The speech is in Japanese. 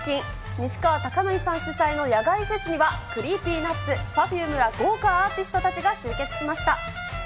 西川貴教さん主催の野外フェスにはＣｒｅｅｐｙＮｕｔｓ、Ｐｅｒｆｕｍｅら豪華アーティストたちが集結しました。